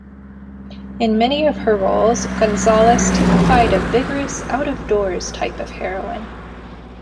In many of her roles, Gonzalez typified a vigorous out-of-doors type of heroine.